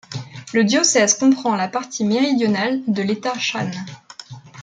Le diocèse comprend la partie méridionale de l'État Shan.